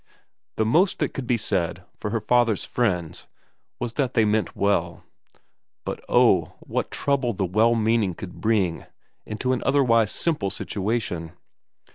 ' The most that could be said for her father's friends was that they meant well; but oh, what trouble the well meaning could bring into an otherwise simple situation!